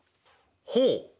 ほう！